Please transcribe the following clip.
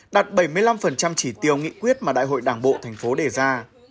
đạt bảy mươi năm chỉ tiêu nghị quyết mà đại hội đảng bộ thành phố đề ra